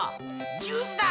ジュースだ！